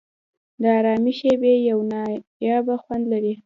د آرامۍ شېبې یو نایابه خوند لري.